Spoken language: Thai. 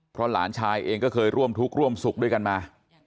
เพราะหลานชายเองก็เคยร่วมทุกข์ร่วมสุขด้วยกันมา